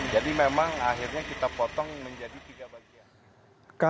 jadi memang akhirnya kita potong menjadi tiga bagian